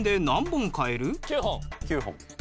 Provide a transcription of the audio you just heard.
９本。